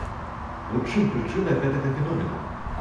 У чым прычына гэтага феномена?